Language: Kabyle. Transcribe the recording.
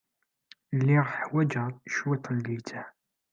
Lliɣ ḥwaǧeɣ cwiṭ n litteɛ.